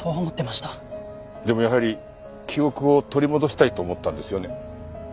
でもやはり記憶を取り戻したいと思ったんですよね？